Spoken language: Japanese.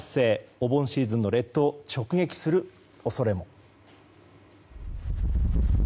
お盆シーズンの列島を直撃する恐れも。